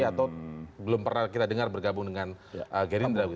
atau belum pernah kita dengar bergabung dengan yary indra